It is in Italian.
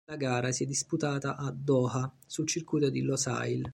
La gara si è disputata a Doha, sul circuito di Losail.